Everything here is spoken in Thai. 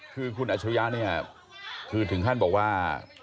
คือคุณอัชริยะเนี่ยคือถึงขั้นบอกว่า